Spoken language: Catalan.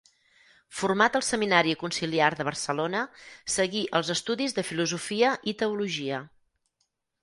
Format al Seminari Conciliar de Barcelona, seguí els estudis de filosofia i teologia.